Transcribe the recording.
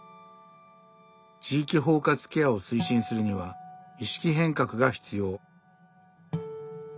「地域包括ケアを推進するには意識変革が必要」。